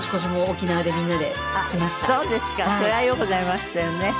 それはようございましたよね。